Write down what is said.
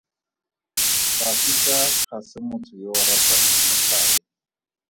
Tafita ga se motho yo o ratang metlae.